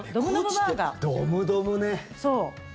ドムドムね。